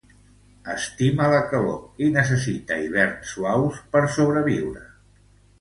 Estima la calor i necessita hiverns suaus per sobreviure.